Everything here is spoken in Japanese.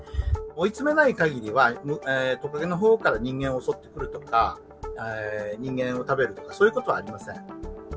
追い詰めないかぎりは、トカゲのほうから人間を襲ってくるとか、人間を食べるとか、そういうことはありません。